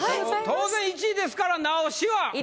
当然１位ですから直しは？